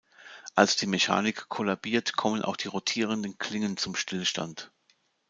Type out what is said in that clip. Als die Mechanik kollabiert, kommen auch die rotierenden Klingen zum Stillstand.